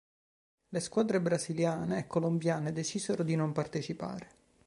Le squadre brasiliane e colombiane decisero di non partecipare.